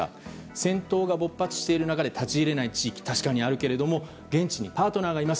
戦闘が勃発している中で立ち入れない地域が確かにあるけれども現地にパートナーがいます。